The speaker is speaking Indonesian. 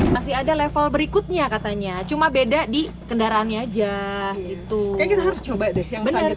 masih ada level berikutnya katanya cuma beda di kendaraannya aja gitu kita harus coba deh yang bener